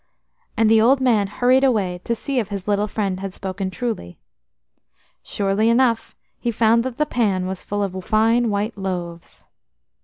And the old man hurried away to see if his little friend had spoken truly. Surely enough, he found that the pan was full of fine white loaves.